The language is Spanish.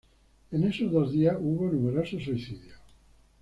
En esos dos días hubo numerosos suicidios.